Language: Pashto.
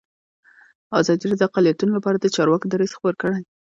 ازادي راډیو د اقلیتونه لپاره د چارواکو دریځ خپور کړی.